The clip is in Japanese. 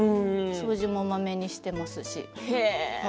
掃除も、まめにしていますし。